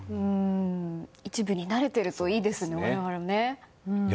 一部になれているといいですね、我々もね。